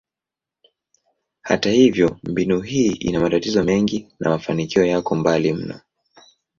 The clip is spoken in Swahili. Hata hivyo, mbinu hii ina matatizo mengi na mafanikio yako mbali mno.